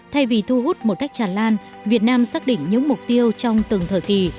thay vì thu hút một cách tràn lan việt nam xác định những mục tiêu trong từng thời kỳ